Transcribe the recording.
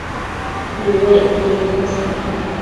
Tsiuecquid niosh